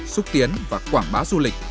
xúc tiến và quảng bá du lịch